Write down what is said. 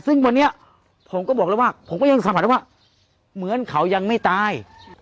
ซึ่งวันนี้ผมก็บอกแล้วว่าผมก็ยังสัมผัสได้ว่าเหมือนเขายังไม่ตาย